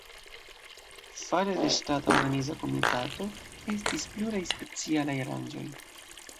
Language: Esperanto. Fare de ŝtata organiza komitato estis pluraj specialaj aranĝoj.